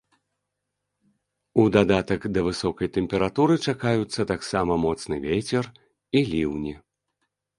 У дадатак да высокай тэмпературы чакаюцца таксама моцны вецер і ліўні.